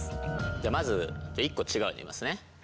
じゃまず一個違うの言いますね。